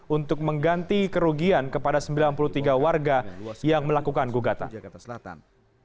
untuk mengganti kerugian kepada sembilan puluh tiga warga yang melakukan gugatan jakarta selatan